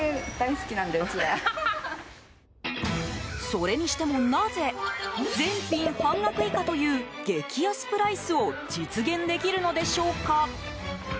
それにしてもなぜ、全品半額以下という激安プライスを実現できるのでしょうか。